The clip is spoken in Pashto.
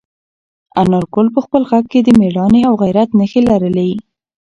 انارګل په خپل غږ کې د میړانې او غیرت نښې لرلې.